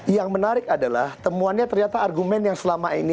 yang menarik adalah temuannya ternyata argumen yang selama ini